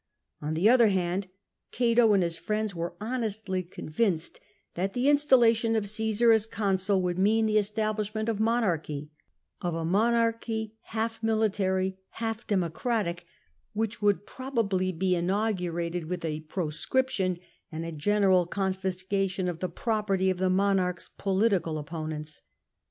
On the other hand, Cato and his friends were honestly convinced that the installation of Caesar as consul would mean the establishment of monarchy — of a monarchy half military, half Demo cratic — which would probably be inaugurated with a proscription and a general confiscation of the property of the monarch's political opponents.